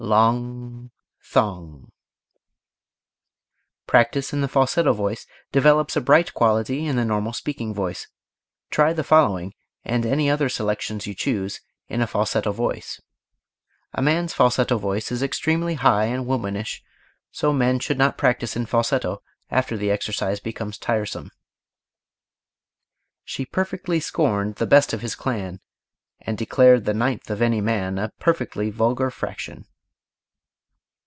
Long thong. Practise in the falsetto voice develops a bright quality in the normal speaking voice. Try the following, and any other selections you choose, in a falsetto voice. A man's falsetto voice is extremely high and womanish, so men should not practise in falsetto after the exercise becomes tiresome. She perfectly scorned the best of his clan, and declared the ninth of any man, a perfectly vulgar fraction.